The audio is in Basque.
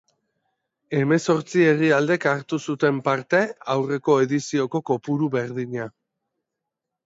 Hemezortzi herrialdek hartu zuten parte, aurreko edizioko kopuru berdina.